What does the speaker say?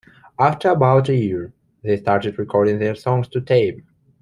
After about a year, they started recording their songs to tape.